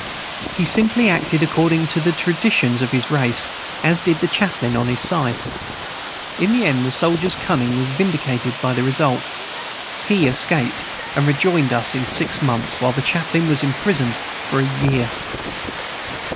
He simply acted according to the traditions of his race, as did the chaplain on his side. In the end the soldier's cunning was vindicated by the result; he escaped, and rejoined us in six months, while the chaplain was imprisoned for a year.